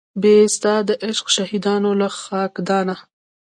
بې د ستا د عشق د شهیدانو له خاکدانه